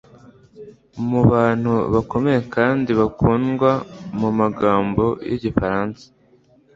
Mubantu bakomeye kandi bakundwa mumagambo yigifaransa